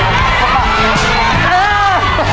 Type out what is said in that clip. เออ